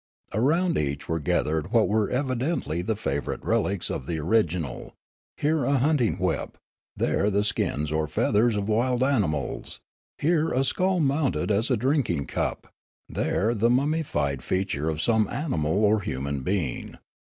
Around each were gathered what were evidently the favourite relics of the original, here a hunting whip, there the skins or feathers of wild animals, here a skull mounted as a drinking cup, there the mummified feature of some animal or human being.